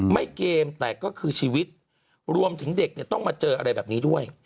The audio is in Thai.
เกมแต่ก็คือชีวิตรวมถึงเด็กเนี่ยต้องมาเจออะไรแบบนี้ด้วย